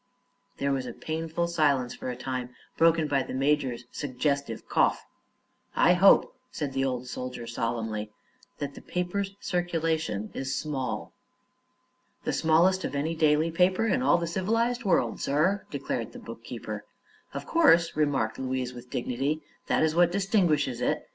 There was a painful silence for a time, broken by the major's suggestive cough. "I hope," said the old soldier, solemnly, "that the paper's circulation is very small." "The smallest of any daily paper in all the civilized word, sir," declared the bookkeeper. "Of course," remarked Louise, with dignity; "that is what distinguishes it.